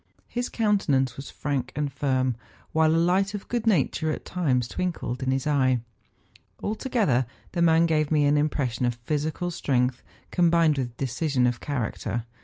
His countenance was frank and firm, while a light of good nature at times twinkled in his eye. Alto¬ gether the man gave me the impression of physical strength, combined with decision of character.